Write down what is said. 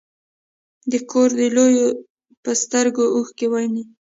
د کور د لویو په سترګو اوښکې وینې.